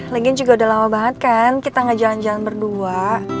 lagi juga udah lama banget kan kita gak jalan jalan berdua